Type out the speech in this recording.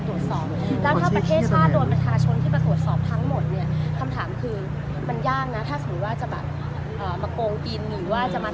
พอล้มลงไปเสร็จแต่โชคดีว่ามันมีเบาะในห้องนอนลองอยู่บาง